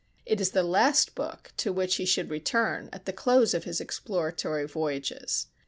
It is the last book to which he should return at the close of his exploratory voyages.